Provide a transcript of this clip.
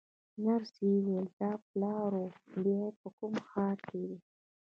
نرسې وویل: دا پلاوا بیا په کوم ښار کې ده؟